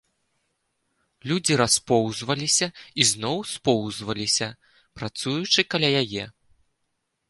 Людзі распоўзваліся і зноў споўзваліся, працуючы каля яе.